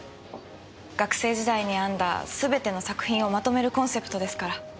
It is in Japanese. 学生時代に編んだすべての作品をまとめるコンセプトですから。